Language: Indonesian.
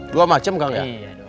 dua macem kang ya